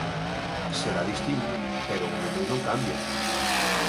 Será distinto, pero o menú non cambia.